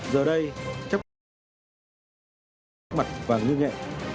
giờ đây chắc là các mặt vàng như nhẹ